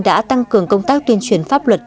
đã tăng cường công tác tuyên truyền pháp luật